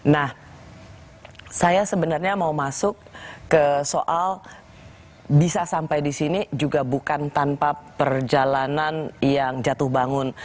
nah saya sebenarnya mau masuk ke soal bisa sampai di sini juga bukan tanpa perjalanan yang jatuh bangun